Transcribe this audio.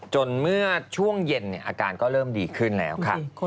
เมื่อช่วงเย็นอาการก็เริ่มดีขึ้นแล้วค่ะ